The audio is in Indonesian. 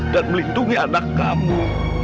dan melindungi anak kamu